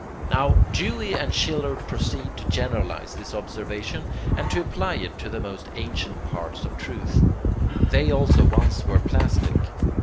Now Dewey and Schiller proceed to generalize this observation and to apply it to the most ancient parts of truth. They also once were plastic.